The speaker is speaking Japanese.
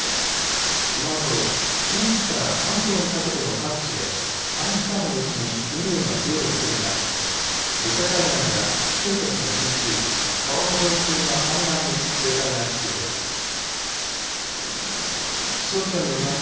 このあと近畿から関東にかけての各地で短時間のうちに雨量が増えるおそれがあり土砂災害や低い土地の浸水、川の増水や氾濫に警戒が必要です。